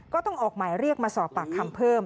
ก็ต้องออกหมายเรียกมาสอบปากคำเพิ่ม